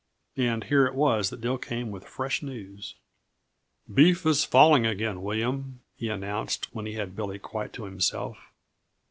And here it was that Dill came with fresh news. "Beef is falling again, William," he announced when he had Billy quite to himself.